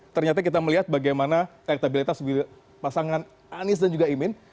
ternyata kita melihat bagaimana elektabilitas pasangan anies dan juga imin